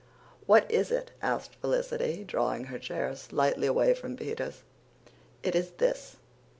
"What is it?" asked Felicity, drawing her chair slightly away from Peter's. "It is this.